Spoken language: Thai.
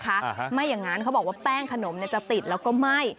นะครับไม่อย่างนั้นเขาบอกว่าแป้งขนมจะติดเราก็ไม่